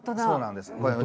そうなんです。